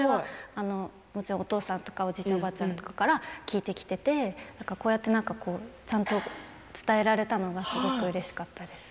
もちろんお父さんやおじいちゃん、おばあちゃんから聞いてきていてちゃんとこうやって伝えられたのがすごくうれしかったです。